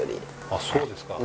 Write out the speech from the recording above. あっそうですか？